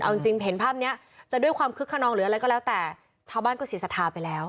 เอาจริงเห็นภาพนี้จะด้วยความคึกขนองหรืออะไรก็แล้วแต่ชาวบ้านก็เสียสัทธาไปแล้ว